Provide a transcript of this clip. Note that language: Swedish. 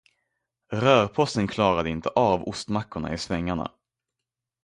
Rörposten klarade inte av ostmackor i svängarna.